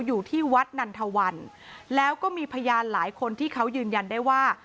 อยู่ที่วัดนันทวันแล้วก็มีพยานหลายคนที่เขายืนยันได้ว่า